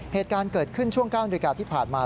เหตุการณ์เกิดขึ้นช่วง๙นาฬิกาที่ผ่านมา